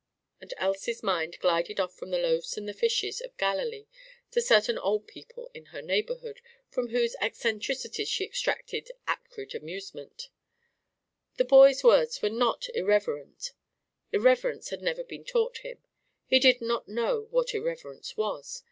and Elsie's mind glided off from the loaves and the fishes of Galilee to certain old people of her neighborhood from whose eccentricities she extracted acrid amusement. The boy's words were not irreverent; irreverence had never been taught him; he did not know what irreverence was.